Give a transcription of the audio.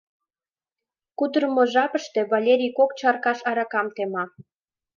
Кутырымо жапыште Валерий кок чаркаш аракам тема.